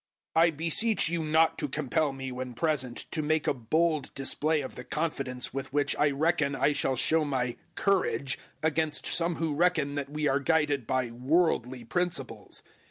010:002 I beseech you not to compel me when present to make a bold display of the confidence with which I reckon I shall show my `courage' against some who reckon that we are guided by worldly principles.